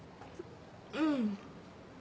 うん。